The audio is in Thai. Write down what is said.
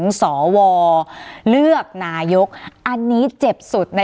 การแสดงความคิดเห็น